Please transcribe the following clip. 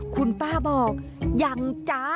คุณป้าบอกอย่างจ้า